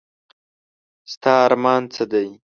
ستا ارمان څه دی ؟